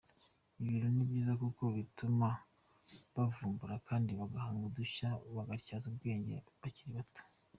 Ibi bintu ni byiza kuko bituma bavumbura kandi bagahanga udushya bagatyaza ubwenge bakiri bato.